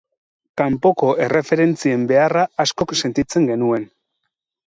Kanpoko erreferentzien beharra askok sentitzen genuen.